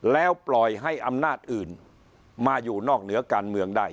แล้วปล่อยให้อำนาจอื่นมาอยู่นอกเหนือการเมืองได้